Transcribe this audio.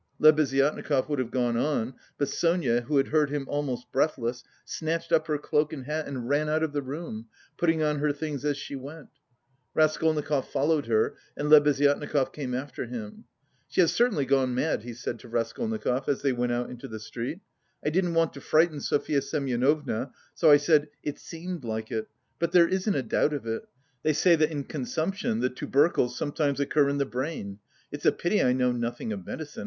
Lebeziatnikov would have gone on, but Sonia, who had heard him almost breathless, snatched up her cloak and hat, and ran out of the room, putting on her things as she went. Raskolnikov followed her and Lebeziatnikov came after him. "She has certainly gone mad!" he said to Raskolnikov, as they went out into the street. "I didn't want to frighten Sofya Semyonovna, so I said 'it seemed like it,' but there isn't a doubt of it. They say that in consumption the tubercles sometimes occur in the brain; it's a pity I know nothing of medicine.